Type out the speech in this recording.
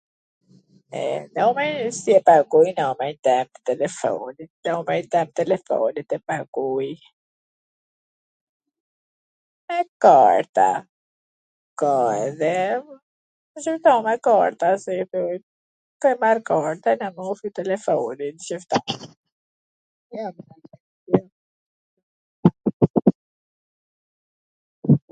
E, jo mo si e paguj n emrin tem telefonin, .... e paguj ... me karta, ka edhe ... me karta si i thon... ke marr kohwn, kena mbush telefonin , qashtu.